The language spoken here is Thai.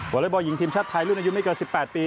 อเล็กบอลหญิงทีมชาติไทยรุ่นอายุไม่เกิน๑๘ปี